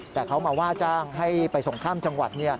แต่เขามาว่าจ้างให้ไปส่งข้ามจังหวัด